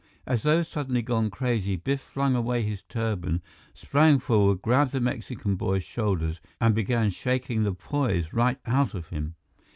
As though suddenly gone crazy, Biff flung away his turban, sprang forward, grabbed the Mexican boy's shoulders, and began shaking the poise right out of him.